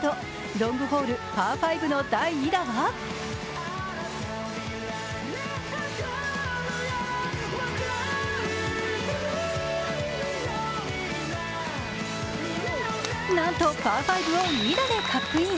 ロングホール、パー５の第２打はなんとパー５を２打でカップイン。